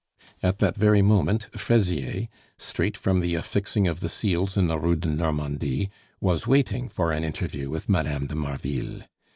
At that very moment Fraisier, straight from the affixing of the seals in the Rue de Normandie, was waiting for an interview with Mme. de Marville.